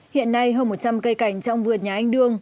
hiện nay hơn một trăm linh cây cảnh trong vườn nhà anh đương